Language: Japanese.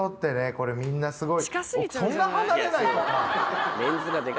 これみんなすごい。